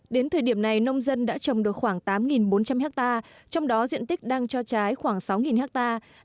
đến thời điểm này nông dân đã trồng được khoảng tám bốn trăm linh hectare trong đó diện tích đang cho trái khoảng sáu hectare